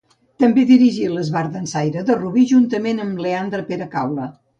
També dirigí l'Esbart Dansaire de Rubí, juntament amb Leandre Peracaula.